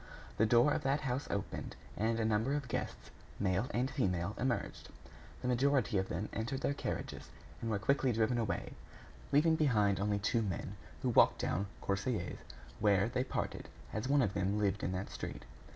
The door of that house opened, and a number of guests, male and female, emerged. The majority of them entered their carriages and were quickly driven away, leaving behind only two men who walked down Courcelles, where they parted, as one of them lived in that street.